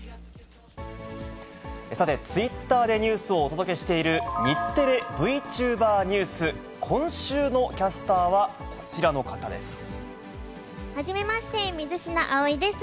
さて、ツイッターでニュースをお届けしている、日テレＶチューバーニュース、今週のキャスターはこちらの方ではじめまして、水科葵です。